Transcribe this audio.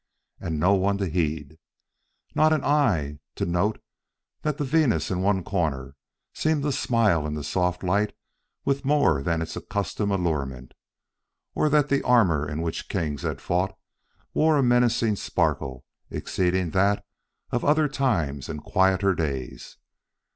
And no one to heed! Not an eye to note that the Venus in one corner seemed to smile in the soft light with more than its accustomed allurement, or that the armor in which kings had fought wore a menacing sparkle exceeding that of other times and quieter days.